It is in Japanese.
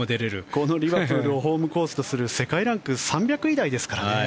このリバプールをホームコースとする世界ランク３００位台ですからね。